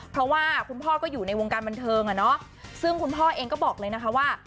เพราะว่าคุณพ่อก็อยู่ในวงการบันเทิงอ่ะเนาะซึ่งคุณพ่อเองก็บอกเลยนะคะว่า